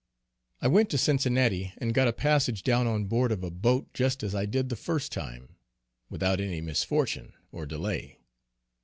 I went to Cincinnati, and got a passage down on board of a boat just as I did the first time, without any misfortune or delay.